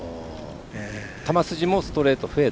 球筋もストレート？